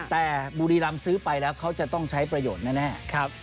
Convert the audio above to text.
แต่บุรีรำซื้อไปแล้วเขาจะต้องใช้ประโยชน์แน่